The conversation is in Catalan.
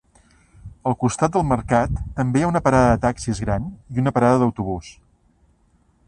Al costat del mercat també hi ha una parada de taxis gran i una parada d'autobús.